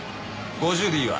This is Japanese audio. ５０でいいわ。